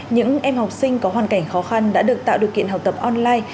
những em học sinh có hoàn cảnh khó khăn đã được tạo điều kiện học tập online